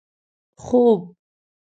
خوب